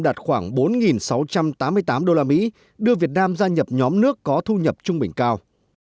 đạt khoảng bốn sáu trăm tám mươi tám usd đưa việt nam gia nhập nhóm nước có thu nhập trung bình cao